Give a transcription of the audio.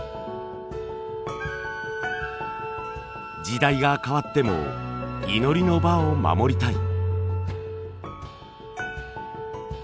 時代が変わっても祈りの場を守りたい。